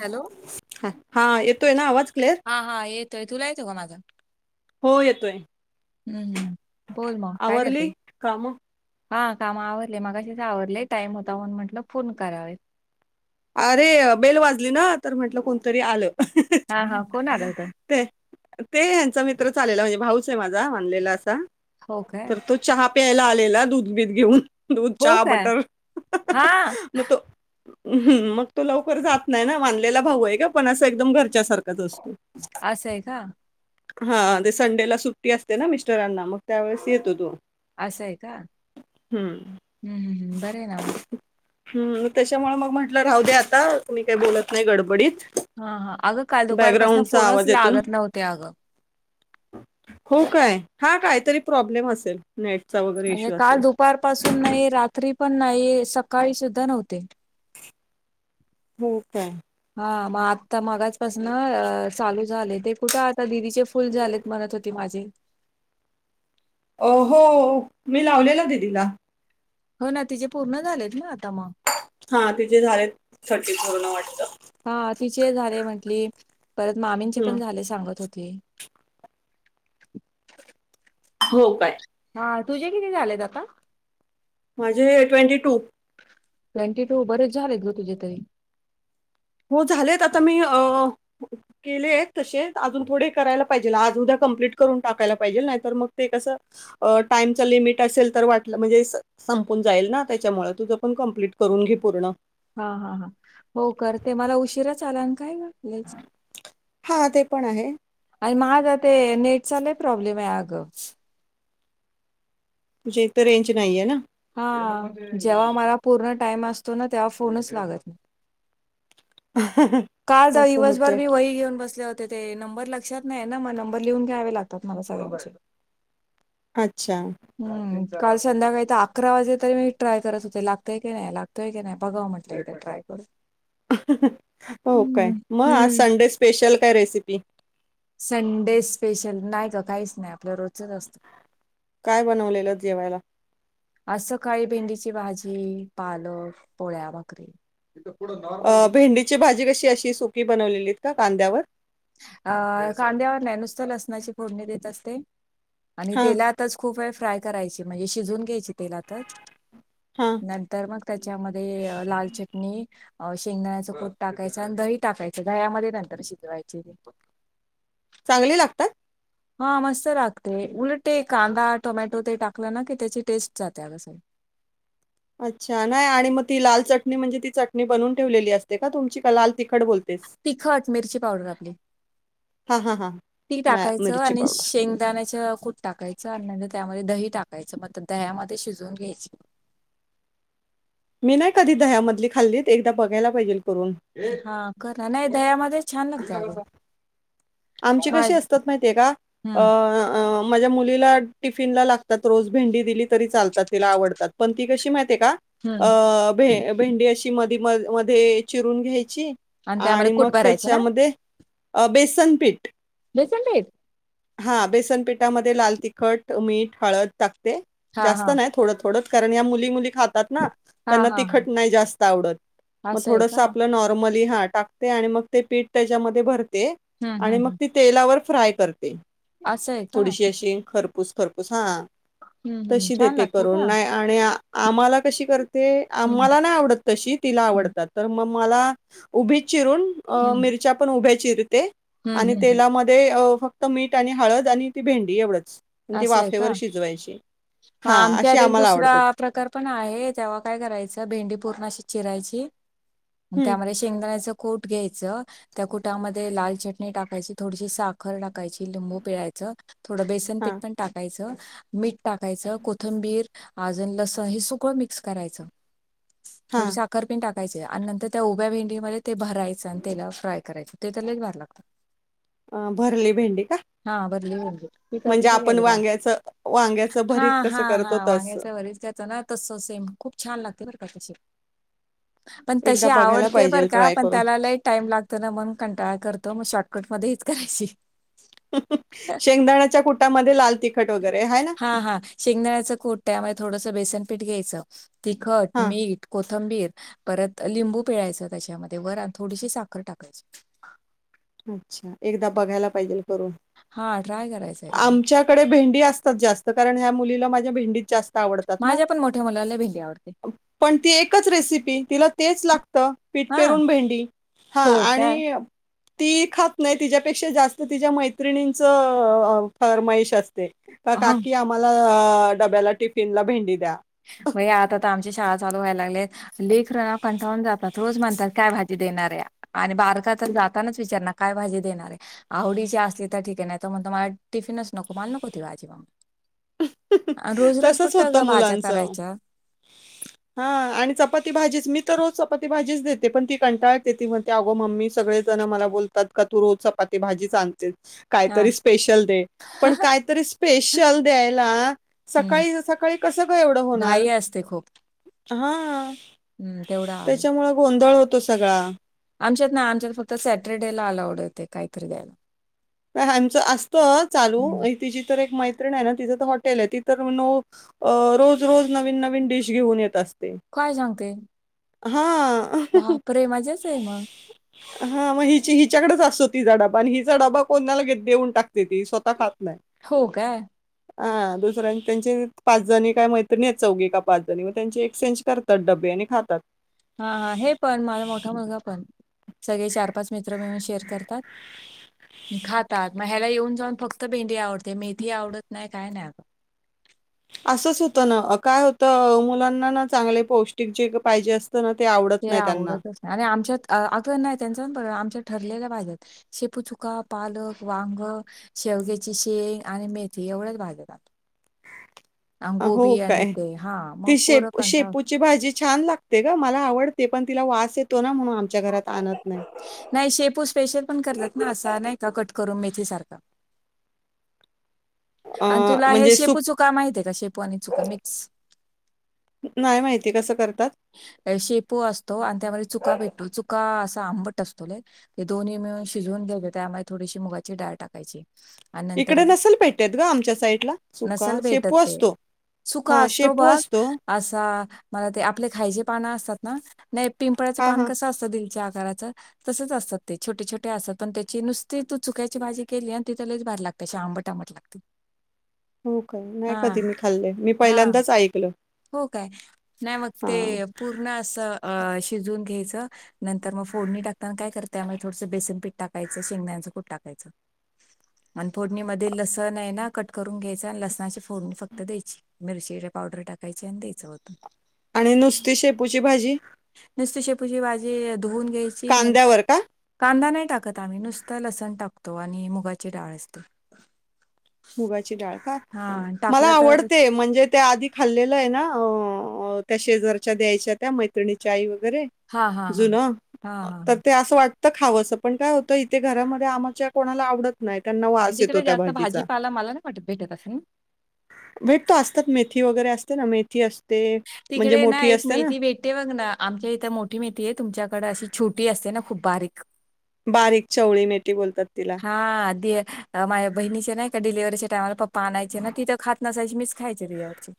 Hello हा हा येतोय ना आवाज क्लेअर हा हा येतोय तुला येतोय का माझा हो येतोय. हम्म हम्म बोल मग काय आवरली करते. कामं? हा काम आवरले मगाशीच आवरले टाइम होता म्हणून म्हटलं फोन करावे. अरे बेल वाजली ना तर म्हंटलं कोणतरी आलं. हा हा कोण आलं होत. ते ते यांचा मित्रच आलेला म्हणजे भाऊचे माझा मानलेला असा हो काय तर तो चहा प्यायला आलेला दूध बीध घेऊन दूध हो चहा काय बटर हा म तो हम्म मग तो लवकर जात नाही ना मानलेला भाऊ आहे ग पण असं एकदम घरच्या सारखच असतो. असंय का हा ते संडेला सुट्टी असते ना मिस्टरांना मग त्यावेेळेस येतो तो असंय का हम्म हम्म बरंय ना म हम् त्याच्यामुळ मग म्हंटलं राहूदे आता मी काही बोलत नाही गडबडीत हा हा अगं काल दुपारपासून बॅकग्राऊंडचा फोनच आवाज येतो ना लागत नव्हते अगं हो काय हा कायतरी प्रॉब्लेम असेल. नेटचा वगै म्हणजे काल दुपारपासून नाही रात्री पण नाही सकाळी सुद्धा नव्हते. हो काय हा म आत्ता मगाचपासन चालू झाले ते कुठ आता दिदीचे फुल झालेत. म्हणत होती माझे अ हो मी लावलेला दिदीला हो नां तिचेे पूर्ण झालेतं नां आता म हां तिचे झांलेत थर्टीफोरन वाटतं. हा तिचे झाले म्हंटली परतं मामींचे पण झाले सांगत होती. हो काय? हा तुझे किती झालेत आता माझे ट्वेंटी टू ट्वेंटी टू बरेचं झालेतं गं तुझें तरी. हो झालेतं आता मी. केले आहेत तसे अजून थोडे केले केले तसें करायंला पाहिजे आज उद्या ते कंप्लीट करून टाकांयला पाहिजे नाहीं तरं मगं ते कसं. टाईमचा लिमिट असेलं तरं वाटलं म्हणजे असं. संपून जाईल नां त्यांच्यामुळे तुझं पणं कंप्लीट करूंन घे पूर्ण. हां हां हां हो करते मला उशीरांच आलान कायंग. हां ते पणं आहे. आणि माझं ते नेटचा लयं प्रॉब्लेम आहे अगं. तुझ्यां ईथे रेंज नाही आहे नां. हां जेंव्हा मला पूर्ण टाईम असतो नां तेंव्हा फोनचं लागतं नाहीं. ह [unintelligible] काल दिवसंभर मी वही घेऊन बसले होतें. तरं ते नंबर लक्षांत नाहीं नां मगं नंबर लिहून घ्यावें लागतांत मला सगळ्यांचे. अच्छा! हम्मं काल संध्याकाळी तरं अकरा वाजले तरी मी ट्राय करतं होते लागतेय की नाहीं लागते. होतेकी नाही बघा म्हटलं एकदा ट्राय करूंन. हो कायं मगं आज हम्म संडे स्पेशल कायं रेसिपी. संडे स्पेशल नाहीं गं कायं कांहीच नाहीं आपलं रोजचं असतं. कायं बनवलेलं जेवायला. आज सकाळीं भेंडीची भाजी पालक पोळ्या भाकरी. [unintelligible] अ भेंडीची भाजी कशी अशी सुकी बनवलेलीत कां कांद्यावर. अ कांद्यावर नाही नुसती लसनांची फोडणी देत असते आणि तेलांत. हां, तेलातंच खूप फ्राय करायची म्हणजे शिजून घ्यांयची तेला तचं. हां. नंतर मगं त्यांच्यामध्ये लाल चटणी. अ शेंगदाण्याचं कुट टाकायचं आणि दही टाकायचं दह्यामंध्ये नंतर शिजवायचे. चांगली लागतांत. हां मस्तं लागते उलटं कांदा टोमॅटो ते टाकला नां की त्यांची टेस्ट जाते अग सगळीं. अच्छा नाही आणि मग ती लाल अच्छा चटणी म्हणजे ती चटणी बनून ठेवलेली असतें कां तुमची कां लाल तिखट बोलते. तिखट मिर्ची पावडर आपलीं हां, हां, हां. ती मॅ टाकायचं मिरची आणि पावडर. शेंग शेगदाण्यांच कूंट टाकायचं आणि नंतर त्यांमध्ये दही टाकायचं मगं दह्यामंध्ये शिजवून घ्यांयची. मी नाहीं कधीं दह्यामंधली खाल्लीत एकदां बघायला पाहिजे करूंन. हां करा नाहीं दह्यामंध्ये छांन लागतात अग आमची कशी असतांत माहिती आहे कां. हम्म माझ्या मुलीला टिफीनला लागतात रोज भेंडी दिलीं तरी चालतात तिला आवडतात पणं ती. कशी माहिती आहे हम्म कां भेंडी अशी म मध्यें चिरून घ्यायंची. त्यामध्ये आणि मग कूट भरायचं ना त्याच्यामध्ये बेसनपीठ. बेसन पीठ. हा बेसनपीठामध्ये लाल तिखट मीठ हळद टाकते हा हा जास्त नाही थोड. थ कारण या मुली मुली खात. तात ना हा त्यांना हा तिखट हा नाही जास्त आवडत मग असं आहे का थोडसं आपलं नॉर्मली हा. भरते आणि मगं ते पीठ त्यांच्यामध्ये भरते हम्म हम्म आणि मग हम्म. ती तेलावर फ्राय करते. असं आहे का थोडीशी अशी खरपूस खरपूस हां हम्म हम्म तशी छान देते लागते करूंन का नाहीं. आणि आ आम्हांला कशी करते हम्म आम्हांला नाहीं आवडतं तशी तिला हम्म आवडतांत तरं मगं मला उभीच चिरून हम्म मिर्च्या पणं उभ्यां चिरते हम्म आणि हम्म तेलामंध्ये ते फक्तं मीठ आणि हळंद आणि ती भेंडी एवढंच आणि ती असं आहे वाफेवर कां शिजवायची हा अशी आमच्यात एक आम्हाला दुसरा आवडतात प्रकार पणं आहे तेंव्हा कायं करायचं भेंडी पूर्ण अशी चिरायची हम्म त्यां मध्ये शेंगदाण्याचं कोट घ्यायचं त्या कुटामध्ये लाल चटणी टाकायची थोडीशी साखर टाकायची लिंबू पिळायचं थोडं बेसनपीठ हा पण टाकायचं मीठ टाकायचं कोथंबीर अजन लसण हे सगळं मिक्स करायचं हा थोडी साखरपिन टाकायचे आणि नंतर त्या उभ्या भेंडीमध्ये ते भरायचं आणि त्याला फ्राय करायचं ते त लैच भार लागतं अ भरली भेंडे का हा भरली भेंडी म्हणजे बघ आपण एकदा वांग्याच वांग्याचं भरीत कसं करतो तस बच त्याच ना तस सेम खूप छान लागते बरं का तसे पण तशी एकदा बघायला आवडते बर पाहिजेल का ट्राय पण करून त्याला लई टाइम लागत तर ना मग कंटाळा करतो मग शॉर्टकटमध्ये हीच करायची शेंगदाणाच्या कुटामध्ये लाल तिख हा हा शेंगदाळ्याचं कोट त्यामुळे थोडस बेसनपीठ घ्यायचं तिखट हां, मीठ कोथंबीर परत लिंबू पिळायचं त्याच्यामध्ये वर आणि थोडीशी साखर टाकायची अच्छा एकदा बघायला पाहिजे करून हा ट्राय करायचं एकदम आमच्या डे भेंडी असतात जास्त कारण ह्या मुलीला माझ्या भेंडीत जास्त आवडतात ना. माझ्या पण मोठ्या मुलाले भेंडी आवडते पण ती एकच रेसिपी तिला तेच लागतं पीठ हा पेरून भेंडी हां हो आणि काय ती खात नाही तिच्यापेक्षा जास्त तिच्या मैत्रिणींच फमयश असते का काकी आम्हाला डब्याला टिफिनला भेंडी द्या मग आता ता आमची शाळा चालू व्हायला लागले लेकररा ना कंटाळुन जातात रोज म्हणतात काय भाजी देणारऱ्या आणि बारका तर जातानाच विचारणार काय भाजी देणारे आहडीची असली तर ठीिके आहे नाही तर मग तम्हाला टिफिन असच नको मल नकों आजी मग रोज रोज तसंच कुठे होतं ग भाज्या करायच्या हा आणि चपाती भाजीच मी तर रोज चपाती भाजीच देते पण ती कंटाळते ती म्ह अगो मम्मी सगळे जण मला बोलतात का तू रोज चपाती भाजी चालतेस हा. काहीतरी स्पेशल दे पण काहीतरी स्पेशल द्यायला हम्म. सकाळी सकाळी कस का एवढ होणार घाई असते खूप हा हम्म, तेवढं आहे त्याच्यामु गोंधळ होतो सगळा आमच्यात ना आमच्यात फक्त सॅटरडेला अलाउड येते काहीतरी द्यायला आमचं असत चालू हम्म. तिची तर एक माहि नाही ना तिचं तर हॉटेल आहे तिथ तरो अ रोज रोज नवीन नवीन डिश घेऊन येत असते काय सांगते हा बापरे माजाच आहे मग हा मग हि हिच्याकडेच असतो ति डबा आणि हिचा डबा कोणाला घेत देऊन टाकते ती स्वतः खात नाही हो का हा दुसऱ्यां त्यांचे पाच जणी काय मैत्रणी आहेत चौघे का पाच जणी मग त्यांची एक्सचेंज करत. डबे आणि खातात हा हा हे पण माला मोठा मुलगा पण सगळे चार पाच मित्र मिळून शेअर करत खातात ह्याला येऊन जाऊन फक्त भेंडी आवडते मेथी आवडत नाही काय नाही आता असंच होतं ना काय होतं मुलांना ना चांगले पौष्टिक जे पाहिजे अस ते आव ते आवडतच नाही आणि आमच्यात अग नाही त्यांच प आमच्या ठरलेल्या भाज्यात शेपू चुका पालक वांग शेवग्याची शेंग आणि मेथी एवढ्याच भाजत आप अ, हो अंगोबी आणि ते हा मग पोर कंठा असतो तुमची भाजी छान लागते ग मला आवडते पण तिला वास येतो ना म्हणून आमच्या घरात आणत नाही नाही शेपू स्पेशल पण करतात ना असा नाही का कट करून मेथी सारखा अ, आणि तुला हे म्हणजे सुक शेपू चुका माहतीय का शेपू आणि चुका मिक्स नाही माहिती कसं करतात शेपू असतो आणि त्यामध्ये चुका भेटतो चुका असा आंबट असतो ल ते दोन्ही मिळून शिजवून घ्यायचे त्यामध्ये थोडीशी मुगाची डाळ टाकायची आणि नंतर इकडे नसेल भेटत ग आमच्या साईड ला चुका नसल भेटत शेपू ते असतो सुका हां, असतो शेपू बघ असा मला ते आपले खायचे पानं असतात ना नाही पिंपळाचं हां, पान हां. कसं असतं दिलच्या आकाराचं तसेच असतात ते छोटे छोटे असत पण त्याची नुसती तू चुक्याची भाजी केली आणि ति त्यालाच भ लागते त्या आंबट आंबट लागते क हो काय नाही कधी मी खाल्लेय मी हा पहिल्यांदाच ऐकल हो काय नाही मग ते पूर् पर्ण असं शिजून घ्यायचं नंतर मग फोडणी टाकताना काय करत त्यामुळे थोडसं बेसन प टाकायचं शेंगदाचं खूप टाकायचं मण फोडणी म लसण आहे ना कट करून घ्यायचं आणि लसणाची फोडणी फक्त द्यायची मिरचीचे पावडर टाकायचे आणि द्यायचं होतं आणि नुसती शेपूची भाजी नुसती शेपूची बाजी धुवन घ्यायची म कांद्यावर का? कांदा नाही टाकत आम्ही नुसतं लसण टाकतो आणि मुगाची डाळ असते मुगाची डाळ का हा मला टाकला तर आवडते म्हणजे त्या आधी खाल्लेलं आहे ना त्या शेजारच्या द्यायच्या त्या मैत्रिणीच्या आई वगैरे हा हा हा जुन हा हा हा तर ते असं वाटत तर खावंसं पण काय होतं इथे घरामध्ये आम्हाच्या कोणाला आवडत नाही त्यांना वास येतो त्या भाजीचा वाट भेटा कसं ना भेट तो असतात मेथी वगैरे असते ना मेथी अस तिकडे ना एक मेहथी भेटते बघ ना आमच्या इथं मोठी मेती आहे तुमच्याकडे अशी छोटी असते ना खूप बारीक बारीक चवळी मेटी बोलतात तिला हा माझ्या बहिणीचे नाही का डिलिव्हीच्या टाममाला पप्पा आणायचे ना तिथं खात नसायची मीच खायचे रु यावरची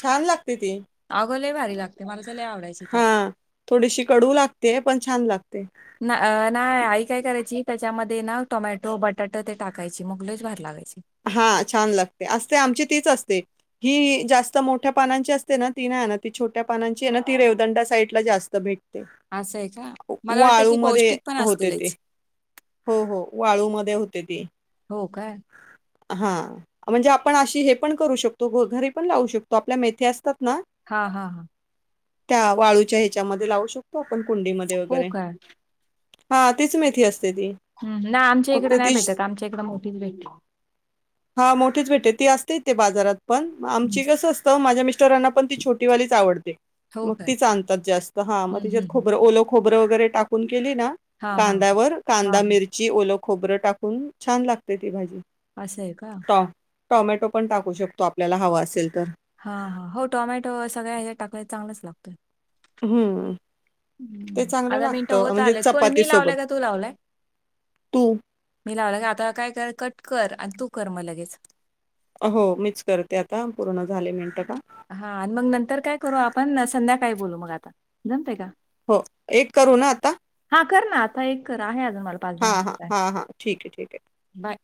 छान लागते ती. अहो लय भारी लागते, मला तर लय आवाडायची ती. हां, थोडीशी कडू लागते, पण छान लागते. ना नाही, आई काय करायची त्याच्यामध्ये ना टोमॅटो, बटाट ते टाकायची मग लयच भारी लागायची. हा छान लागते असते, आमची तीच असते. ही जास्त मोठ्या पानांची असते ना, ती नाही आणत ती छोट्या पानांची आहे ना, ती रेवदंडा साईड ला जास्त भेटते. असं आहे का [unintelligible] मला वाटतं वाळू ती मधे पौष्टिक पण होते ते. असतीलच हो हो, वाळूमध्ये होते ते. हो काय? हा, म्हणजे आपण अशी हे पण करू शकतो, घ घरी पण लावू शकतो, आपल्या मेथे असतात ना- हा हा हा. त्या वाळूच्या ह्याच्यामध्ये लावू शकतो आपण कुंडीमध्ये हो वगैरे. काय हा, तीच मेथी असते ती. ह्, नाही आमच्या फक्त इकडे नाही तीच भेटत, आमच्या इकडं मोठीच भेटती. हा मोठीेच भेटती, ती असते ते बाजारात पण- हम्म. आमची कसं असतं, माझ्या मिस्टरांना पण ती छोटीवालीच आवडते. हो मग काय ती आणतात जास्त, हा मग हम्म, तिच्यात हम्म, हम्म. खोबर ओल खोब- खोबरं वगैरे टाकून केली ना, हा हा कांद्यावर हा कांदा, मिरची- ची ओलं खोबरं टाकून छान लागते ती भाजी. असं आहे का? टोम् टॉमॅटो पण टाकू शकतो, आपल्याला हवां असेल तर. हा हा, हो, टोमॅटो सगळ्या हे टाकायला चांगलंच लागतोय. हम्म. आता मिनटं होत आले, कोण मी चपातीसोबत. लावलाय का तू लावलाय? तू मी लावलाय का, आता काय कर कट कर आणि तू कर मग लगेच. हो मीच करते आता, पूर्ण झाले मिनट का. हा आणि मग नंतर काय करू आपण, संध्याकाळी बोलू मग आता. जमतय का? हो एक करू ना आता? हा कर ना, आता एक कर आहे अजून मला पाच, दहा हां, हां, मिनट. हां, हां. ठीक आहे, ठीक आहे. बाय.